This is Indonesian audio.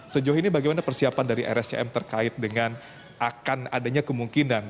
sejauh ini bagaimana persiapan dari rscm terkait dengan akan adanya kemungkinan